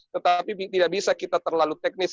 tetapi tidak bisa kita terlalu teknis